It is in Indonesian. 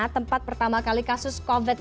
tempat pertama kali kasus covid sembilan belas